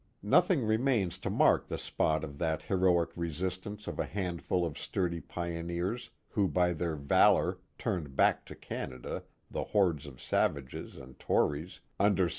Nothing remains to mark the spot of that heroic re sistance of a handful of sturdy pioneers who by their valor turned back to Canada the hordes of savages and Tories under Si.